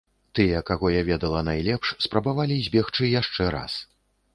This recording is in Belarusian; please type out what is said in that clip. Тыя, каго я ведала найлепш, спрабавалі збегчы яшчэ раз.